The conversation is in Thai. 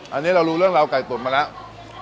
อันนี้เรารู้เรื่องราวไก่ตุ๋นมาแล้ว